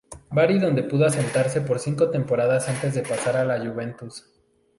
Bari donde pudo asentarse por cinco temporadas antes de pasar a la Juventus.